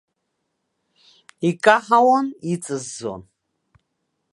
Икаҳауан, иҵыззон.